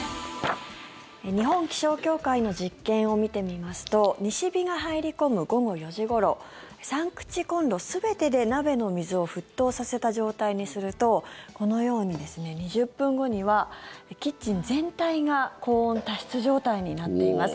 日本気象協会の実験を見てみますと西日が入り込む午後４時ごろ３口コンロ全てで鍋の水を沸騰させた状態にするとこのように、２０分後にはキッチン全体が高温多湿状態になっています。